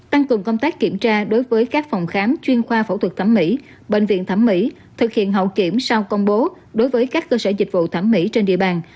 tăng cường công tác kiểm tra đối với các phòng khám chuyên khoa phẫu thuật thẩm mỹ bệnh viện thẩm mỹ thực hiện hậu kiểm sau công bố đối với các cơ sở dịch vụ thẩm mỹ trên địa bàn